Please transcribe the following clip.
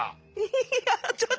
いやちょっと。